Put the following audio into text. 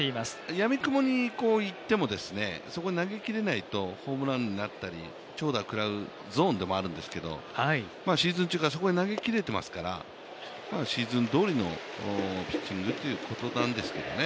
やみくもにいっても、そこに投げきれないとホームランになったり、長打を食らうゾーンでもあるんですけどシーズン中はそこを投げ切れていますからシーズンどおりのピッチングっていうことなんですけどね。